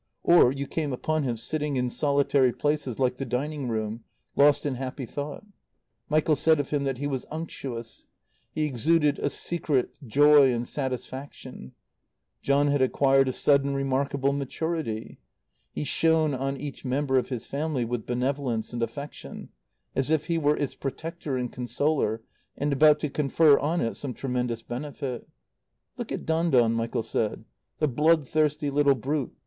Or you came upon him sitting in solitary places like the dining room, lost in happy thought. Michael said of him that he was unctuous. He exuded a secret joy and satisfaction. John had acquired a sudden remarkable maturity. He shone on each member of his family with benevolence and affection, as if he were its protector and consoler, and about to confer on it some tremendous benefit. "Look at Don Don," Michael said. "The bloodthirsty little brute.